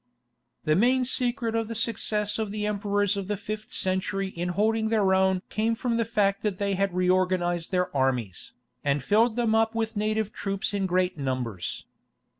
The main secret of the success of the emperors of the fifth century in holding their own came from the fact that they had reorganized their armies, and filled them up with native troops in great numbers.